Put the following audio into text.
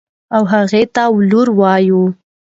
او هغې ته ولور وايو.